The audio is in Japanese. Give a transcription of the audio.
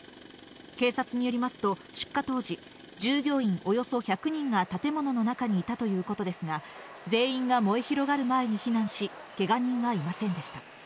警察によりますと、出火当時、従業員およそ１００人が建物の中にいたということですが、全員が燃え広がる前に避難し、けが人はいませんでした。